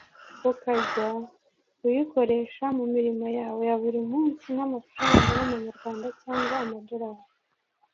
ukajya uyikoresha mu mirimo yawe ya buri munsi nk'amafranga y’amanyarwanda cyangwa ama dollar